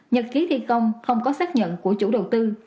nhật ký thi công không có xác nhận của chủ đầu tư